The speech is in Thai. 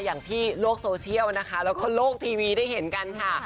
อย่างที่โลกโซเชียลนะคะแล้วก็โลกทีวีได้เห็นกันค่ะ